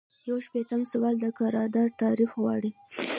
یو شپیتم سوال د قرارداد تعریف غواړي.